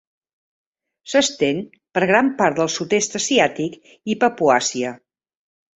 S'estén per gran part del sud-est asiàtic i Papuasia.